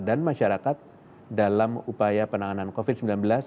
dan masyarakat dalam upaya penanganan covid sembilan belas